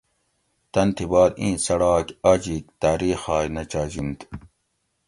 تن تھی باد ایں څڑاک آجِیک تاریخائ نہ چاجِنت